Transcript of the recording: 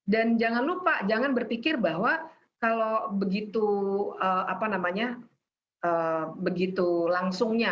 dan jangan lupa jangan berpikir bahwa kalau begitu langsungnya